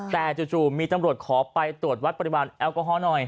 แต่จู่มีตำรวจขอไปตรวจวัดปริมาณแอลกอฮอลหน่อย